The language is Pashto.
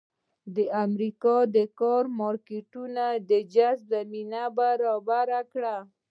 د امریکا د کار مارکېټ د جذب زمینه برابره کړه.